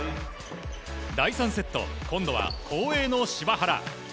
第３セット、今度は後衛の柴原。